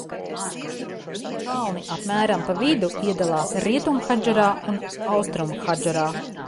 Kalni apmērām pa vidu iedalās Rietumhadžarā un Austrumhadžarā.